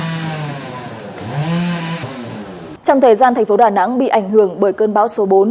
trong thời gian tp đà nẵng bị ảnh hưởng bởi cơn báo số bốn